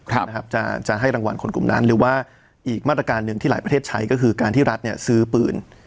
ครับนะครับจะจะให้รางวัลคนกลุ่มนั้นหรือว่าอีกมาตรการหนึ่งที่หลายประเทศใช้ก็คือการที่รัฐเนี่ยซื้อปืน